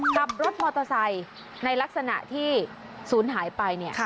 ขับรถมอเตอร์ไซค์ในลักษณะที่ศูนย์หายไป